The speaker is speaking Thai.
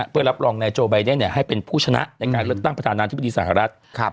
เพื่อรับรองนายโจไบเดนให้เป็นผู้ชนะในการเลือกตั้งประธานาธิบดีสหรัฐ